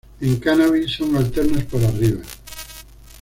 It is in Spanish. En "Cannabis" son alternas por arriba.